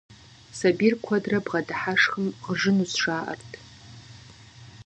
Сабийр куэдрэ бгъэдыхьэшхым, гъыжынущ, жаӀэрт.